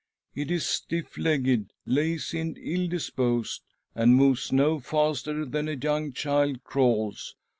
It is stiff legged, lazy, and ill disposed, and moves no faster than a young child crawls.